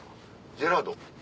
ジェラート。